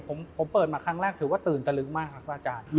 ผมเปิดมาครั้งแรกถือว่าตื่นตะลึกมากครับพระอาจารย์